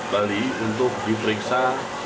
bali untuk diperiksa